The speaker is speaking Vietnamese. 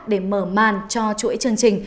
để mở màn cho chuỗi chương trình